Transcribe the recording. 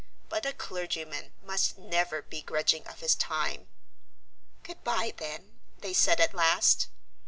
But a clergyman must never be grudging of his time. "Goodbye then," they said at last.